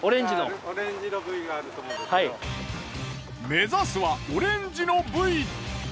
目指すはオレンジのブイ。